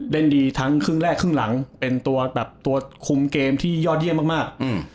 ดีทั้งครึ่งแรกครึ่งหลังเป็นตัวแบบตัวคุมเกมที่ยอดเยี่ยมมาก